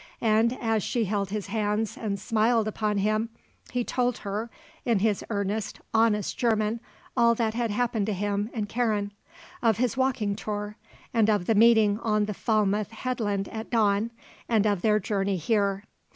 And as she held his hands and smiled upon him he told her in his earnest, honest German, all that had happened to him and Karen; of his walking tour; and of the meeting on the Falmouth headland at dawn; and of their journey here.